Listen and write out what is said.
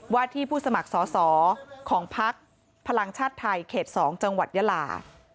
วาที่ผู้สมัครสอของพักพลังชาติไทยเขต๒จยลา